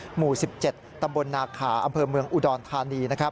หมู่๑๗ตำบลนาขาอำเภอเมืองอุดรธานี